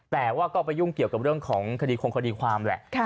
แต่ว่าก็ไปยุ่งเกี่ยวกับเรื่องของคดีคงคดีความแหละ